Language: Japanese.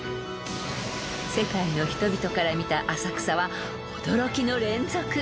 ［世界の人々から見た浅草は驚きの連続］